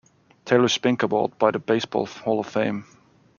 Taylor Spink Award by the Baseball Hall of Fame.